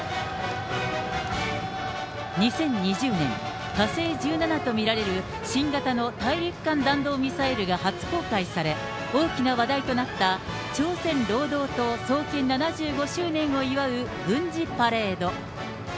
２０２０年、火星１７と見られる新型の大陸間弾道ミサイルが初公開され、大きな話題となった、朝鮮労働党創建７５周年を祝う軍事パレード。